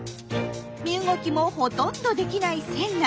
身動きもほとんどできない船内。